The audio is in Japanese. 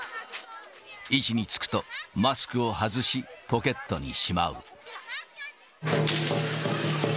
位置につくと、マスクを外し、ポケットにしまう。